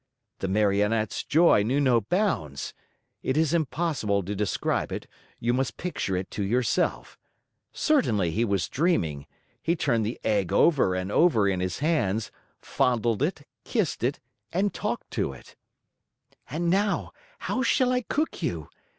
The Marionette's joy knew no bounds. It is impossible to describe it, you must picture it to yourself. Certain that he was dreaming, he turned the egg over and over in his hands, fondled it, kissed it, and talked to it: "And now, how shall I cook you?